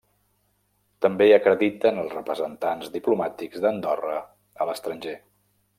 També acrediten els representants diplomàtics d’Andorra a l’estranger.